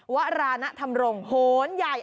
วราณธรรมรงโหนใหญ่